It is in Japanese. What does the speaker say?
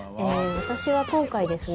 私は今回ですね